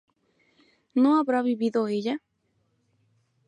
¿no habrá vivido ella?